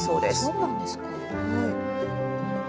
そうなんですか。